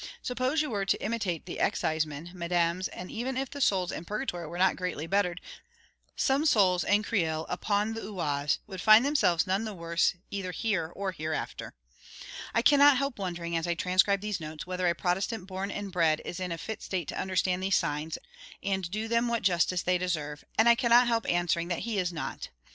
Suppose you were to imitate the exciseman, mesdames, and even if the souls in purgatory were not greatly bettered, some souls in Creil upon the Oise would find themselves none the worse either here or hereafter. I cannot help wondering, as I transcribe these notes, whether a Protestant born and bred is in a fit state to understand these signs, and do them what justice they deserve; and I cannot help answering that he is not.